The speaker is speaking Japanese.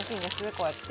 こうやって。